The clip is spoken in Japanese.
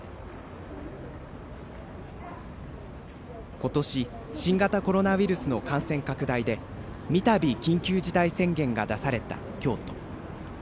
ことし新型コロナウイルスの感染拡大で三度、緊急事態宣言が出された京都。